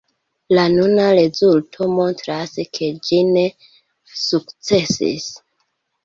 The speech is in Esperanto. La nuna rezulto montras, ke ĝi ne sukcesis.